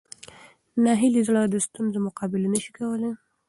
ناهیلي زړه د ستونزو مقابله نه شي کولی.